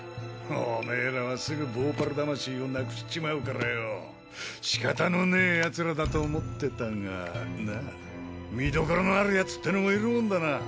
おめぇらはすぐヴォーパル魂をなくしちまうからよしかたのねぇヤツらだと思ってたがな見どころのあるヤツってのもいるもんだな。